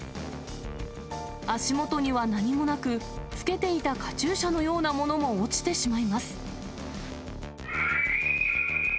足下には何もなく、つけていたカチューシャのようなものも落ちてしまいます。